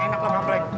enak lah ma frank